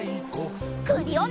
クリオネ！